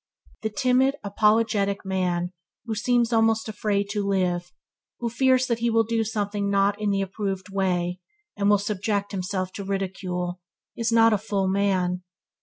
The timid, apologetic man who seems almost afraid to live, who fears that he will do something not in the approved way, and will subject himself to ridicule, is not a full man.